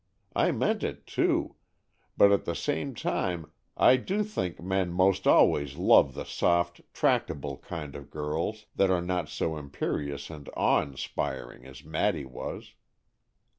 I meant it, too, but at the same time I do think men 'most always love the soft, tractable kind of girls, that are not so imperious and awe inspiring as Maddy was."